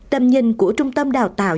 tầm nhìn của trung tâm đào tạo